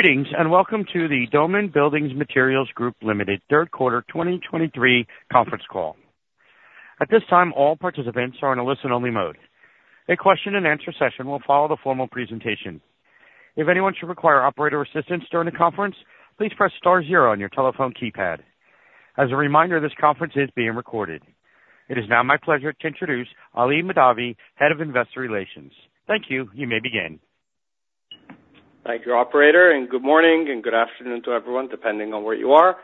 Greetings, and welcome to the Doman Building Materials Group Ltd. Q3 2023 conference call. At this time, all participants are in a listen-only mode. A question-and-answer session will follow the formal presentation. If anyone should require operator assistance during the conference, please press star zero on your telephone keypad. As a reminder, this conference is being recorded. It is now my pleasure to introduce Ali Mahdavi, Head of Investor Relations. Thank you. You may begin. Thank you, operator, and good morning and good afternoon to everyone, depending on where you are.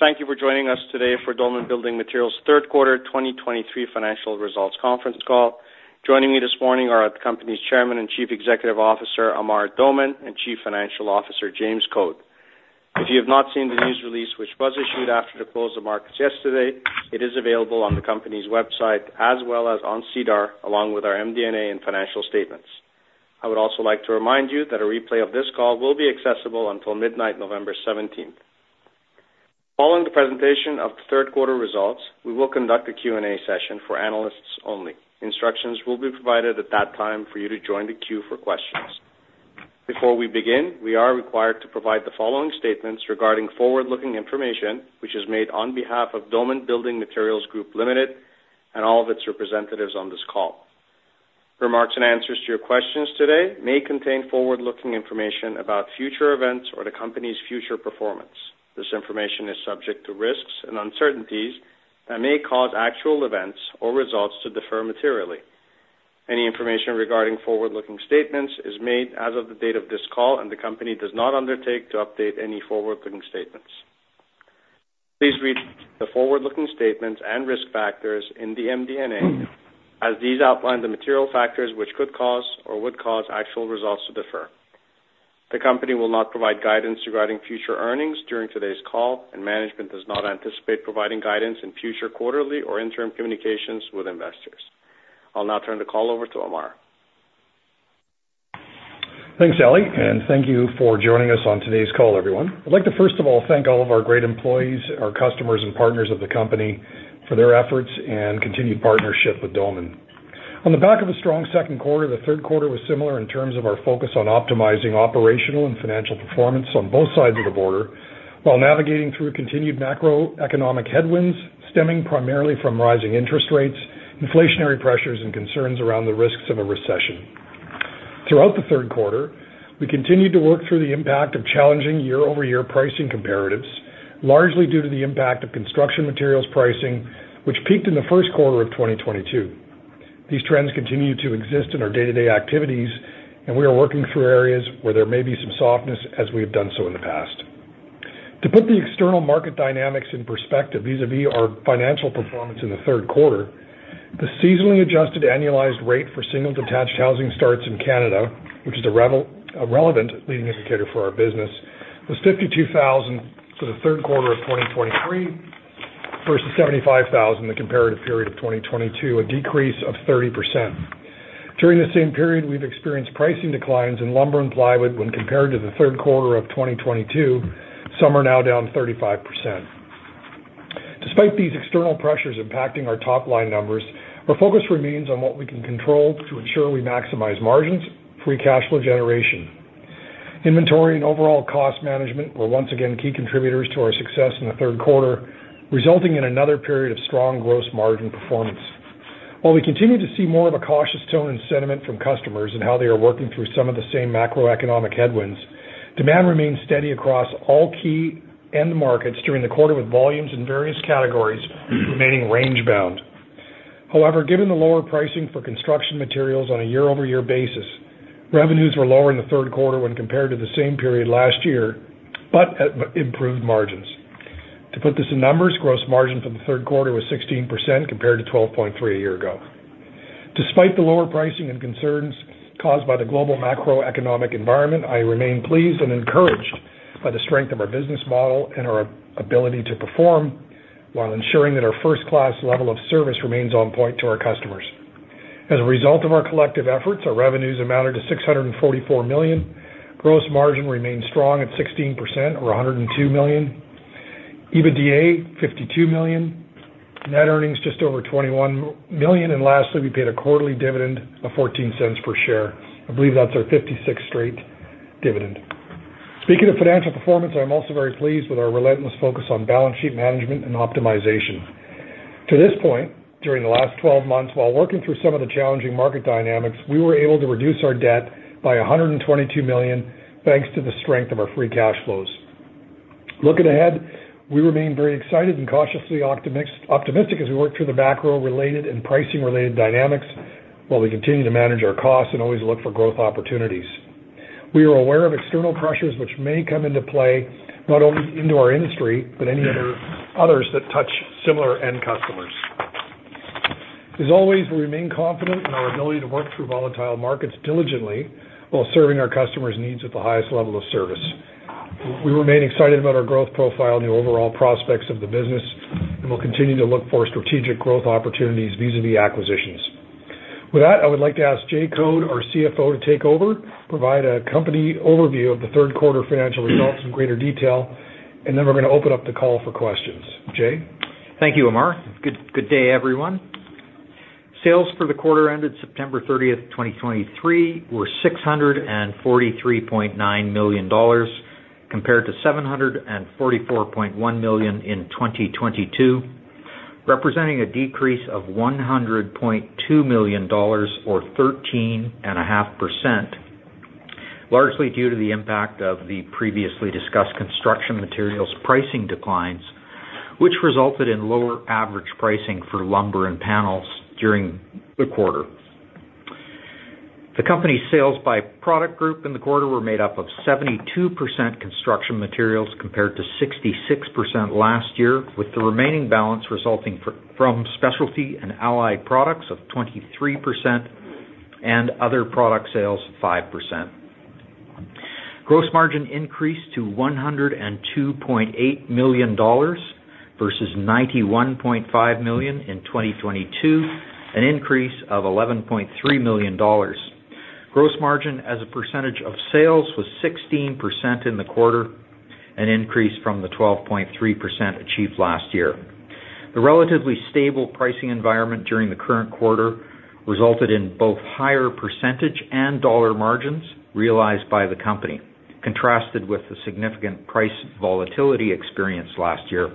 Thank you for joining us today for Doman Building Materials' Q3 2023 financial results conference call. Joining me this morning are the company's Chairman and Chief Executive Officer, Amar Doman, and Chief Financial Officer, James Code. If you have not seen the news release, which was issued after the close of markets yesterday, it is available on the company's website as well as on SEDAR, along with our MD&A and financial statements. I would also like to remind you that a replay of this call will be accessible until midnight, November seventeenth. Following the presentation of the Q3 results, we will conduct a Q&A session for analysts only. Instructions will be provided at that time for you to join the queue for questions. Before we begin, we are required to provide the following statements regarding forward-looking information, which is made on behalf of Doman Building Materials Group Ltd. and all of its representatives on this call. Remarks and answers to your questions today may contain forward-looking information about future events or the company's future performance. This information is subject to risks and uncertainties that may cause actual events or results to differ materially. Any information regarding forward-looking statements is made as of the date of this call, and the company does not undertake to update any forward-looking statements. Please read the forward-looking statements and risk factors in the MD&A, as these outline the material factors which could cause or would cause actual results to differ. The company will not provide guidance regarding future earnings during today's call, and management does not anticipate providing guidance in future quarterly or interim communications with investors. I'll now turn the call over to Amar. Thanks, Ali, and thank you for joining us on today's call, everyone. I'd like to, first of all, thank all of our great employees, our customers and partners of the company for their efforts and continued partnership with Doman. On the back of a strong Q2, the Q3 was similar in terms of our focus on optimizing operational and financial performance on both sides of the border, while navigating through continued macroeconomic headwinds stemming primarily from rising interest rates, inflationary pressures, and concerns around the risks of a recession. Throughout the Q3, we continued to work through the impact of challenging year-over-year pricing comparatives, largely due to the impact of construction materials pricing, which peaked in the Q1 of 2022. These trends continue to exist in our day-to-day activities, and we are working through areas where there may be some softness, as we have done so in the past. To put the external market dynamics in perspective, vis-a-vis our financial performance in the Q3, the seasonally adjusted annualized rate for single-detached housing starts in Canada, which is a relevant leading indicator for our business, was 52,000 for the Q3 of 2023 versus 75,000 the comparative period of 2022, a decrease of 30%. During the same period, we've experienced pricing declines in lumber and plywood when compared to the Q3 of 2022, some are now down 35%. Despite these external pressures impacting our top-line numbers, our focus remains on what we can control to ensure we maximize margins, free cash flow generation. Inventory and overall cost management were once again key contributors to our success in the Q3, resulting in another period of strong gross margin performance. While we continue to see more of a cautious tone and sentiment from customers and how they are working through some of the same macroeconomic headwinds, demand remains steady across all key end markets during the quarter, with volumes in various categories remaining range-bound. However, given the lower pricing for construction materials on a year-over-year basis, revenues were lower in the Q3 when compared to the same period last year, but at improved margins. To put this in numbers, gross margin for the Q3 was 16%, compared to 12.3% a year ago. Despite the lower pricing and concerns caused by the global macroeconomic environment, I remain pleased and encouraged by the strength of our business model and our ability to perform while ensuring that our first-class level of service remains on point to our customers. As a result of our collective efforts, our revenues amounted to 644 million. Gross margin remained strong at 16% or 102 million. EBITDA, 52 million. Net earnings, just over 21 million. Lastly, we paid a quarterly dividend of 0.14 per share. I believe that's our 56th straight dividend. Speaking of financial performance, I'm also very pleased with our relentless focus on balance sheet management and optimization. To this point, during the last 12 months, while working through some of the challenging market dynamics, we were able to reduce our debt by 122 million, thanks to the strength of our free cash flows. Looking ahead, we remain very excited and cautiously optimistic as we work through the macro-related and pricing-related dynamics, while we continue to manage our costs and always look for growth opportunities. We are aware of external pressures which may come into play not only into our industry, but any other others that touch similar end customers. As always, we remain confident in our ability to work through volatile markets diligently while serving our customers' needs at the highest level of service. We remain excited about our growth profile and the overall prospects of the business, and we'll continue to look for strategic growth opportunities, vis-a-vis acquisitions. With that, I would like to ask Jay Code, our CFO, to take over, provide a company overview of the Q3 financial results in greater detail, and then we're going to open up the call for questions. Jay? Thank you, Amar. Good day, everyone. Sales for the quarter ended September 30, 2023, were 643.9 million dollars, compared to 744.1 million in 2022, representing a decrease of 100.2 million dollars, or 13.5%, largely due to the impact of the previously discussed construction materials pricing declines, which resulted in lower average pricing for lumber and panels during the quarter. The company's sales by product group in the quarter were made up of 72% construction materials, compared to 66% last year, with the remaining balance resulting from specialty and allied products of 23% and other product sales, 5%. Gross margin increased to 102.8 million dollars versus 91.5 million in 2022, an increase of 11.3 million dollars. Gross margin as a percentage of sales, was 16% in the quarter, an increase from the 12.3% achieved last year. The relatively stable pricing environment during the current quarter resulted in both higher percentage and dollar margins realized by the company, contrasted with the significant price volatility experienced last year.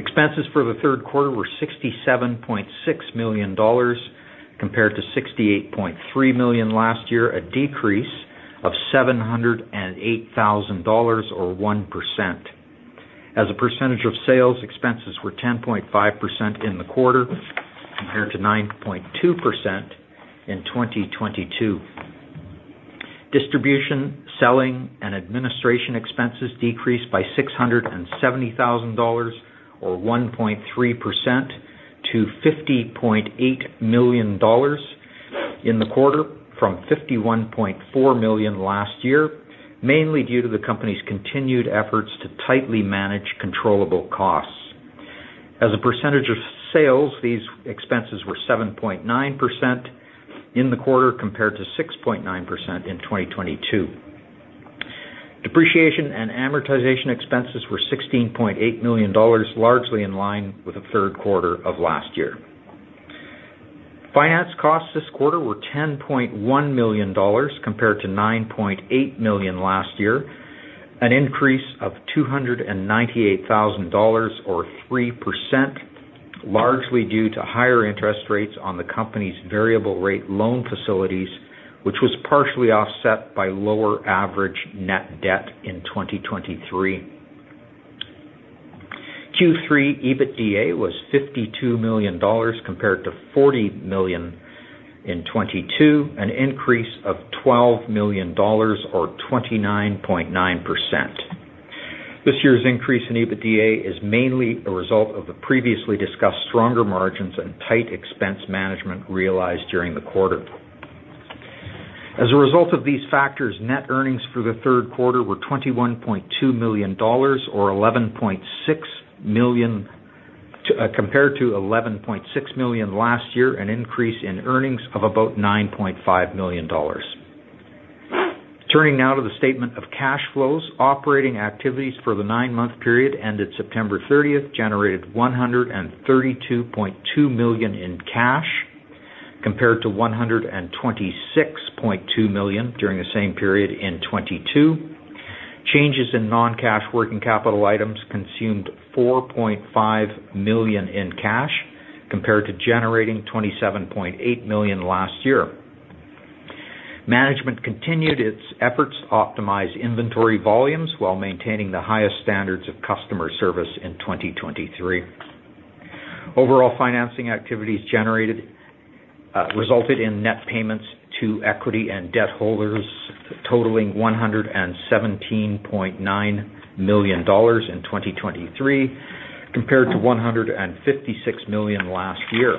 Expenses for the Q3 were 67.6 million dollars, compared to 68.3 million last year, a decrease of 708,000 dollars, or 1%. As a percentage of sales, expenses were 10.5% in the quarter, compared to 9.2% in 2022. Distribution, selling, and administration expenses decreased by 670 thousand dollars, or 1.3%, to 50.8 million dollars in the quarter, from 51.4 million last year, mainly due to the company's continued efforts to tightly manage controllable costs. As a percentage of sales, these expenses were 7.9% in the quarter, compared to 6.9% in 2022. Depreciation and amortization expenses were 16.8 million dollars, largely in line with the Q3 of last year. Finance costs this quarter were 10.1 million dollars, compared to 9.8 million last year, an increase of 298 thousand dollars or 3%, largely due to higher interest rates on the company's variable rate loan facilities, which was partially offset by lower average net debt in 2023. Q3 EBITDA was 52 million dollars, compared to 40 million in 2022, an increase of 12 million dollars or 29.9%. This year's increase in EBITDA is mainly a result of the previously discussed stronger margins and tight expense management realized during the quarter. As a result of these factors, net earnings for the Q3 were 21.2 million dollars or 11.6 million compared to 11.6 million last year, an increase in earnings of about 9.5 million dollars. Turning now to the statement of cash flows. Operating activities for the nine-month period ended September thirtieth generated 132.2 million in cash, compared to 126.2 million during the same period in 2022. Changes in non-cash working capital items consumed 4.5 million in cash, compared to generating 27.8 million last year. Management continued its efforts to optimize inventory volumes while maintaining the highest standards of customer service in 2023. Overall, financing activities generated, resulted in net payments to equity and debt holders, totaling 117.9 million dollars in 2023, compared to 156 million last year.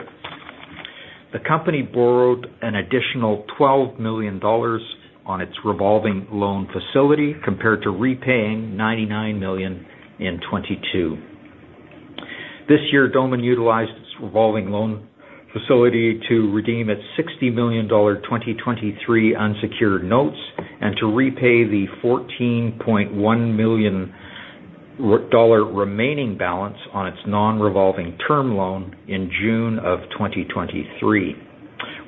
The company borrowed an additional 12 million dollars on its revolving loan facility, compared to repaying 99 million in 2022. This year, Doman utilized its revolving loan facility to redeem its 60 million dollar 2023 unsecured notes and to repay the 14.1 million dollar remaining balance on its non-revolving term loan in June of 2023.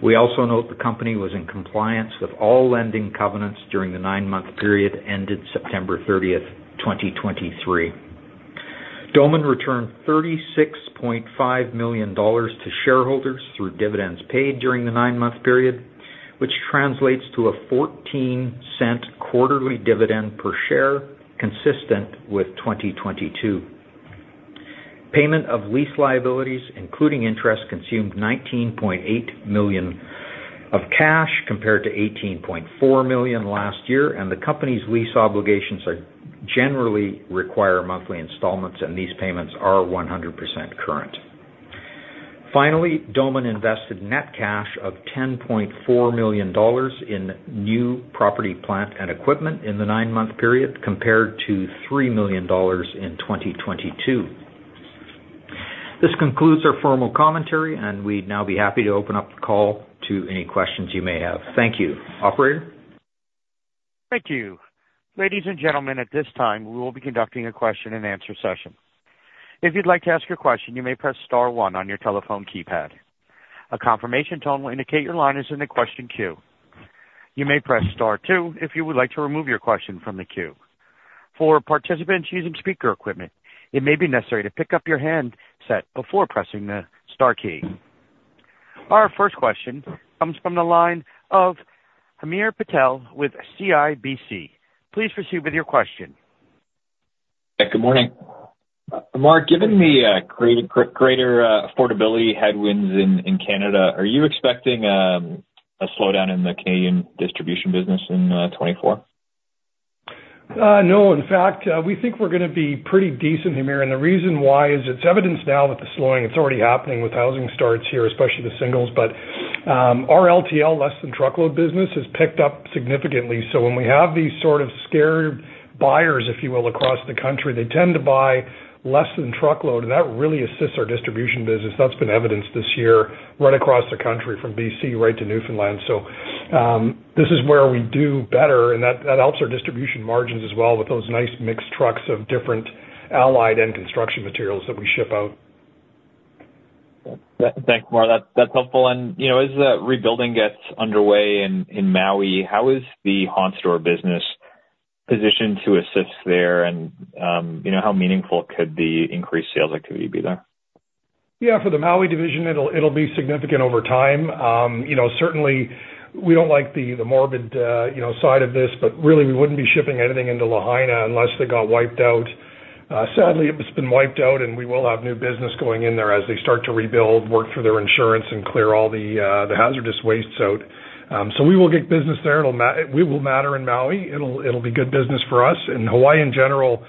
We also note the company was in compliance with all lending covenants during the nine-month period, ended September 30, 2023. Doman returned 36.5 million dollars to shareholders through dividends paid during the nine-month period, which translates to a 0.14 quarterly dividend per share, consistent with 2022. Payment of lease liabilities, including interest, consumed 19.8 million of cash, compared to 18.4 million last year, and the company's lease obligations are generally require monthly installments, and these payments are 100% current. Finally, Doman invested net cash of 10.4 million dollars in new property, plant, and equipment in the nine-month period, compared to 3 million dollars in 2022. This concludes our formal commentary, and we'd now be happy to open up the call to any questions you may have. Thank you. Operator? Thank you. Ladies and gentlemen, at this time, we will be conducting a question and answer session. If you'd like to ask your question, you may press star one on your telephone keypad. A confirmation tone will indicate your line is in the question queue. You may press star two if you would like to remove your question from the queue. For participants using speaker equipment, it may be necessary to pick up your handset before pressing the star key. Our first question comes from the line of Hamir Patel with CIBC. Please proceed with your question. Good morning. Amar, given the greater affordability headwinds in Canada, are you expecting a slowdown in the Canadian distribution business in 2024? No. In fact, we think we're gonna be pretty decent, Hamir, and the reason why is it's evidenced now that the slowing, it's already happening with housing starts here, especially the singles. But, our LTL, less than truckload business, has picked up significantly. So when we have these sort of scared buyers, if you will, across the country, they tend to buy less than truckload, and that really assists our distribution business. That's been evidenced this year right across the country, from BC right to Newfoundland. So, this is where we do better, and that, that helps our distribution margins as well with those nice mixed trucks of different allied and construction materials that we ship out. Thanks, Amar. That's, that's helpful. And, you know, as the rebuilding gets underway in Maui, how is the Home Store business positioned to assist there? And, you know, how meaningful could the increased sales activity be there? Yeah, for the Maui division, it'll be significant over time. You know, certainly we don't like the morbid side of this, but really, we wouldn't be shipping anything into Lahaina unless they got wiped out. Sadly, it's been wiped out, and we will have new business going in there as they start to rebuild, work through their insurance, and clear all the hazardous wastes out. So we will get business there. We will matter in Maui. It'll be good business for us. And Hawaii, in general,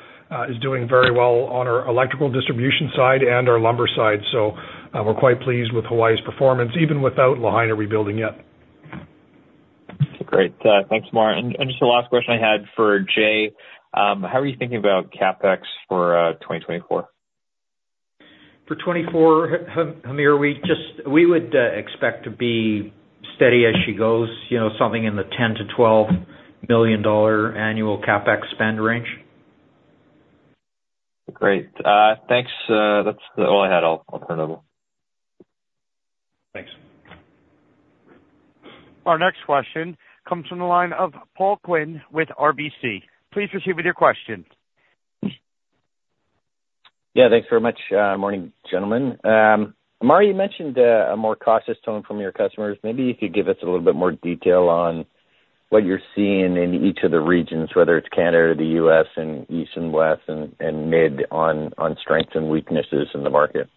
is doing very well on our electrical distribution side and our lumber side. So, we're quite pleased with Hawaii's performance, even without Lahaina rebuilding yet. Great. Thanks, Amar. Just the last question I had for Jay. How are you thinking about CapEx for 2024? For 2024, Hamir, we just... We would expect to be steady as she goes, you know, something in the 10 million–12 million dollar annual CapEx spend range. Great. Thanks. That's all I had. I'll turn it over. Thanks. Our next question comes from the line of Paul Quinn with RBC. Please proceed with your question. Yeah, thanks very much. Morning, gentlemen. Amar, you mentioned a more cautious tone from your customers. Maybe you could give us a little bit more detail on what you're seeing in each of the regions, whether it's Canada, the U.S., and East and West and mid on strengths and weaknesses in the market?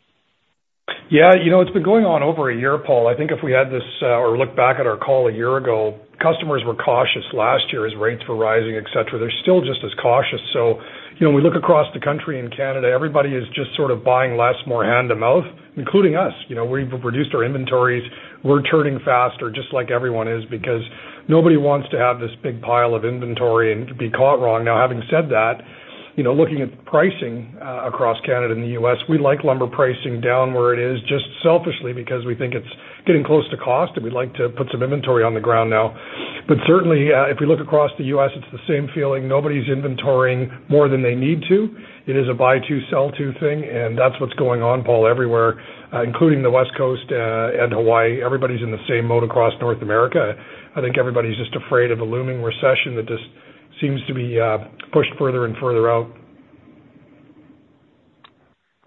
Yeah, you know, it's been going on over a year, Paul. I think if we had this, or looked back at our call a year ago, customers were cautious last year as rates were rising, et cetera. They're still just as cautious. So, you know, we look across the country in Canada, everybody is just sort of buying less, more hand-to-mouth, including us. You know, we've reduced our inventories. We're turning faster, just like everyone is, because nobody wants to have this big pile of inventory and be caught wrong. Now, having said that, you know, looking at pricing, across Canada and the U.S., we like lumber pricing down where it is, just selfishly, because we think it's getting close to cost, and we'd like to put some inventory on the ground now. But certainly, if we look across the U.S., it's the same feeling. Nobody's inventorying more than they need to. It is a buy two, sell two thing, and that's what's going on, Paul, everywhere, including the West Coast, and Hawaii. Everybody's in the same boat across North America. I think everybody's just afraid of a looming recession that just seems to be pushed further and further out.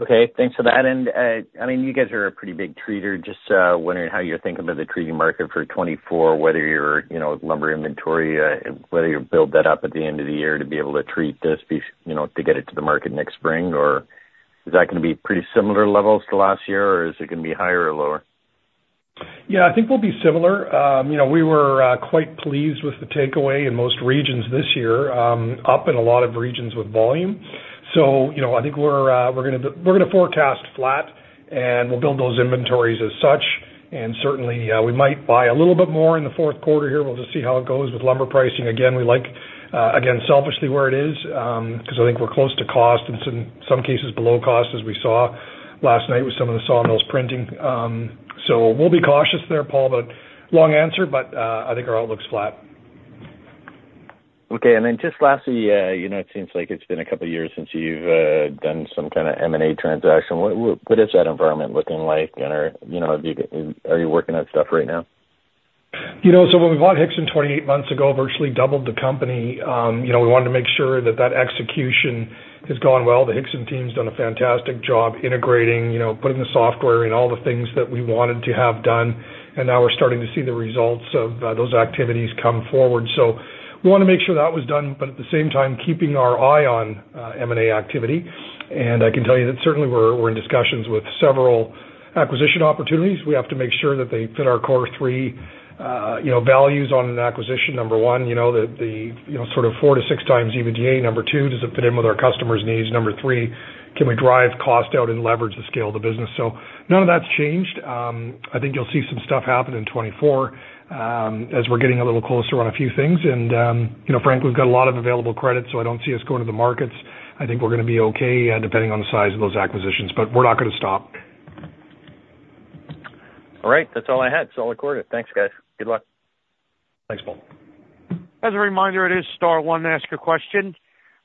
Okay, thanks for that. I mean, you guys are a pretty big treater. Just wondering how you're thinking about the treating market for 2024, whether your, you know, lumber inventory, whether you build that up at the end of the year to be able to treat this, you know, to get it to the market next spring, or is that gonna be pretty similar levels to last year, or is it gonna be higher or lower? Yeah, I think we'll be similar. You know, we were quite pleased with the takeaway in most regions this year, up in a lot of regions with volume. So, you know, I think we're gonna, we're gonna forecast flat, and we'll build those inventories as such. And certainly, we might buy a little bit more in the Q4 here. We'll just see how it goes with lumber pricing. Again, we like, again, selfishly, where it is, 'cause I think we're close to cost and some, some cases below cost, as we saw last night with some of the sawmills printing. So we'll be cautious there, Paul, but long answer, but, I think our outlook's flat. Okay. And then just lastly, you know, it seems like it's been a couple of years since you've done some kind of M&A transaction. What is that environment looking like? And you know, are you working on stuff right now? You know, so when we bought Hixson 28 months ago, virtually doubled the company, you know, we wanted to make sure that that execution has gone well. The Hixson team's done a fantastic job integrating, you know, putting the software in, all the things that we wanted to have done, and now we're starting to see the results of those activities come forward. So we wanna make sure that was done, but at the same time, keeping our eye on M&A activity. And I can tell you that certainly we're in discussions with several acquisition opportunities. We have to make sure that they fit our core three, you know, values on an acquisition. Number one, you know, sort of 4-6 times EBITDA. Number two, does it fit in with our customers' needs? Number three, can we drive cost out and leverage the scale of the business? So none of that's changed. I think you'll see some stuff happen in 2024, as we're getting a little closer on a few things. You know, frankly, we've got a lot of available credit, so I don't see us going to the markets. I think we're gonna be okay, depending on the size of those acquisitions, but we're not gonna stop. All right, that's all I had. It's all recorded. Thanks, guys. Good luck. Thanks, Paul. As a reminder, it is star one to ask a question.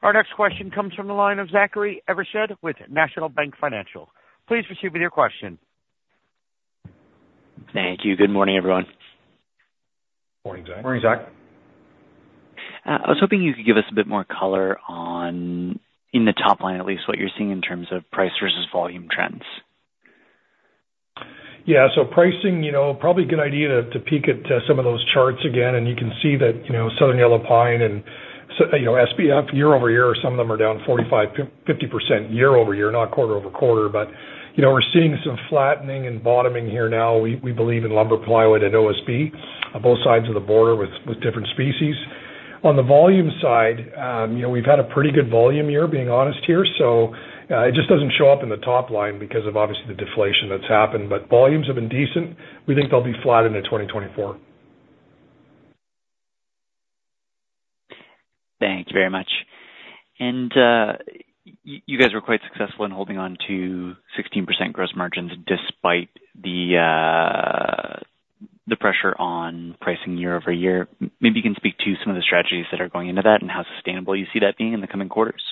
Our next question comes from the line of Zachary Evershed with National Bank Financial. Please proceed with your question. Thank you. Good morning, everyone. Morning, Zach. Morning, Zach. I was hoping you could give us a bit more color on, in the top line, at least, what you're seeing in terms of price versus volume trends? Yeah, so pricing, you know, probably a good idea to peek at some of those charts again, and you can see that, you know, Southern Yellow Pine and, you know, SPF, year-over-year, some of them are down 45%-50% year-over-year, not quarter-over-quarter. But, you know, we're seeing some flattening and bottoming here now, we believe, in lumber, plywood, and OSB on both sides of the border with different species. On the volume side, you know, we've had a pretty good volume year, being honest here, so it just doesn't show up in the top line because of obviously the deflation that's happened. But volumes have been decent. We think they'll be flat into 2024. Thank you very much. And, you guys were quite successful in holding on to 16% gross margins despite the, the pressure on pricing year-over-year. Maybe you can speak to some of the strategies that are going into that and how sustainable you see that being in the coming quarters.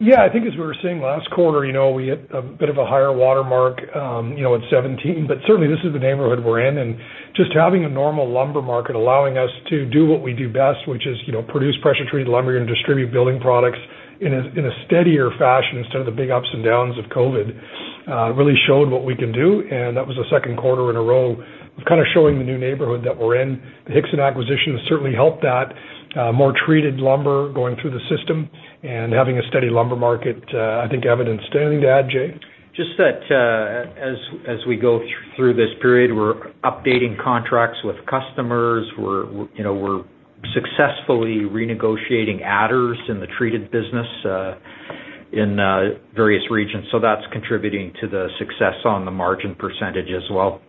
Yeah, I think as we were saying last quarter, you know, we had a bit of a higher watermark, you know, at 17, but certainly this is the neighborhood we're in, and just having a normal lumber market, allowing us to do what we do best, which is, you know, produce pressure-treated lumber and distribute building products in a steadier fashion instead of the big ups and downs of COVID, really showed what we can do, and that was the Q2 in a row of kind of showing the new neighborhood that we're in. The Hixson acquisition has certainly helped that, more treated lumber going through the system and having a steady lumber market, I think evidenced. Anything to add, Jay? Just that, as we go through this period, we're updating contracts with customers. We're, you know, we're successfully renegotiating adders in the treated business, in various regions, so that's contributing to the success on the margin percentage as well.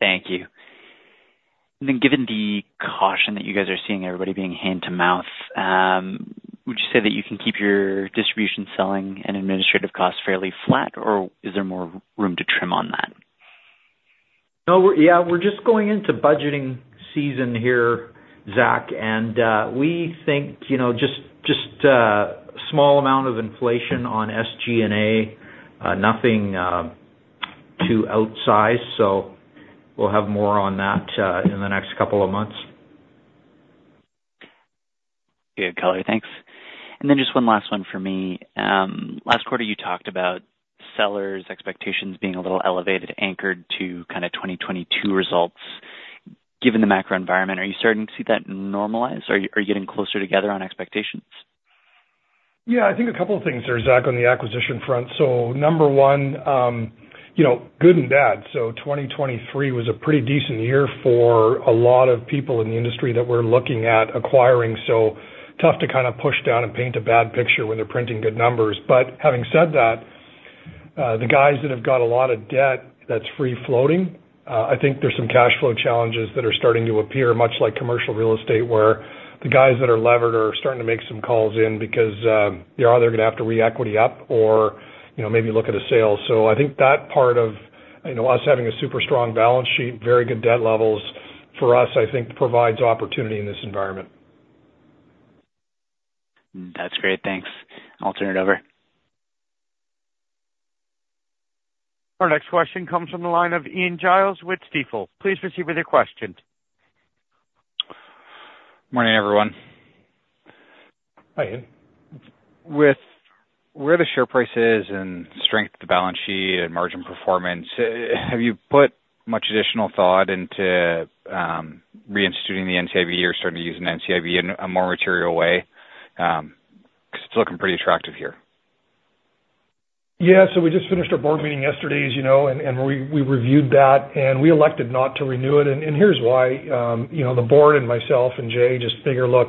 Thank you. And then, given the caution that you guys are seeing, everybody being hand to mouth, would you say that you can keep your distribution, selling, and administrative costs fairly flat, or is there more room to trim on that? No, we're... Yeah, we're just going into budgeting season here, Zach, and we think, you know, just a small amount of inflation on SG&A, nothing too outsized, so we'll have more on that in the next couple of months. Good color. Thanks. Then just one last one for me. Last quarter, you talked about sellers' expectations being a little elevated, anchored to kind of 2022 results. Given the macro environment, are you starting to see that normalize, or are you, are you getting closer together on expectations? Yeah, I think a couple of things there, Zach, on the acquisition front. So number one, you know, good and bad. So 2023 was a pretty decent year for a lot of people in the industry that we're looking at acquiring, so tough to kind of push down and paint a bad picture when they're printing good numbers. But having said that, the guys that have got a lot of debt that's free floating, I think there's some cash flow challenges that are starting to appear, much like commercial real estate, where the guys that are levered are starting to make some calls in because they're either gonna have to re-equity up or, you know, maybe look at a sale. I think that part of, you know, us having a super strong balance sheet, very good debt levels, for us, I think, provides opportunity in this environment. That's great. Thanks. I'll turn it over. Our next question comes from the line of Ian Gillis with Stifel. Please proceed with your question. Morning, everyone. Hi, Ian. With where the share price is and strength of the balance sheet and margin performance, have you put much additional thought into, reinstituting the NCIB or starting to use an NCIB in a more material way? 'Cause it's looking pretty attractive here. Yeah, so we just finished our board meeting yesterday, as you know, and we reviewed that, and we elected not to renew it. And here's why. You know, the board and myself and Jay just figure, look,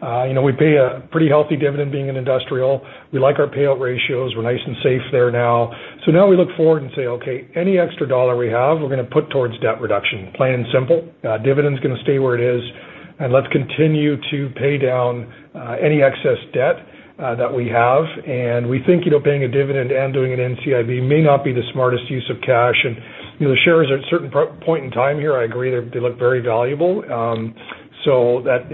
you know, we pay a pretty healthy dividend being an industrial. We like our payout ratios. We're nice and safe there now. So now we look forward and say, "Okay, any extra dollar we have, we're gonna put towards debt reduction, plain and simple. Dividend's gonna stay where it is, and let's continue to pay down any excess debt that we have." And we think, you know, paying a dividend and doing an NCIB may not be the smartest use of cash. And, you know, shares are at a certain point in time here. I agree, they look very valuable. So that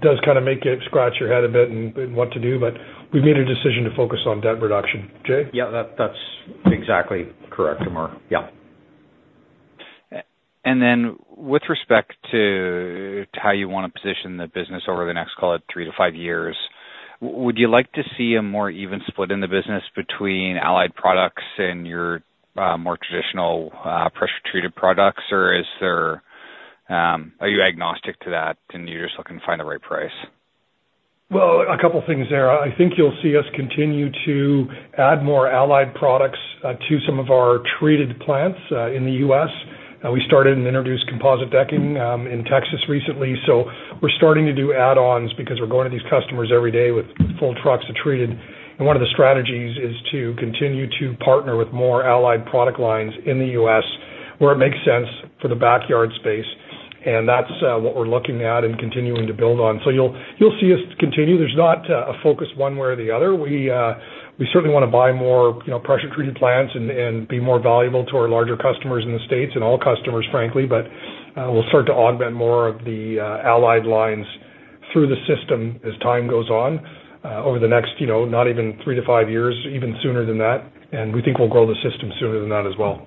does kind of make you scratch your head a bit in what to do, but we made a decision to focus on debt reduction. Jay? Yeah, that, that's exactly correct, Amar. Yeah. And then with respect to how you wanna position the business over the next, call it, three to five years, would you like to see a more even split in the business between allied products and your more traditional pressure-treated products, or is there... Are you agnostic to that, and you're just looking to find the right price? Well, a couple things there. I think you'll see us continue to add more allied products, to some of our treated plants, in the U.S. We started and introduced composite decking, in Texas recently, so we're starting to do add-ons because we're going to these customers every day with full trucks of treated. And one of the strategies is to continue to partner with more allied product lines in the U.S., where it makes sense for the backyard space, and that's, what we're looking at and continuing to build on. So you'll, you'll see us continue. There's not, a focus one way or the other. We, we certainly wanna buy more, you know, pressure treated plants and, and be more valuable to our larger customers in the States and all customers, frankly. But we'll start to augment more of the allied lines through the system as time goes on, over the next, you know, not even three to five years, even sooner than that, and we think we'll grow the system sooner than that as well.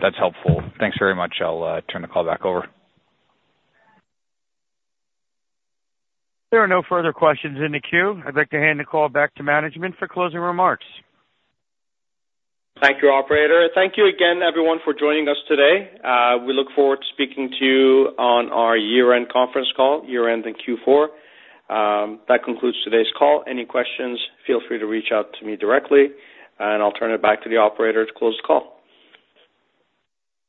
That's helpful. Thanks very much. I'll turn the call back over. There are no further questions in the queue. I'd like to hand the call back to management for closing remarks. Thank you, operator. Thank you again, everyone, for joining us today. We look forward to speaking to you on our year-end conference call, year-end and Q4. That concludes today's call. Any questions, feel free to reach out to me directly, and I'll turn it back to the operator to close the call.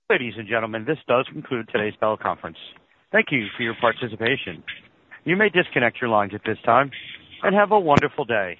Ladies and gentlemen, this does conclude today's teleconference. Thank you for your participation. You may disconnect your lines at this time, and have a wonderful day.